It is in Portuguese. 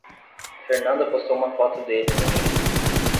Fernanda postou uma foto dele no Insta